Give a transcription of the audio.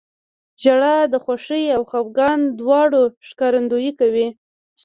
• ژړا د خوښۍ او خفګان دواړو ښکارندویي کوي.